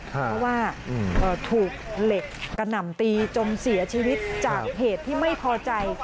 เพราะว่าถูกเหล็กกระหน่ำตีจนเสียชีวิตจากเหตุที่ไม่พอใจ